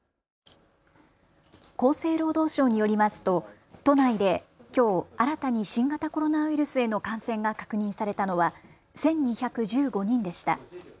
厚生労働省によりますと都内できょう新たに新型コロナウイルスへの感染が確認されたのは１２１５人でした。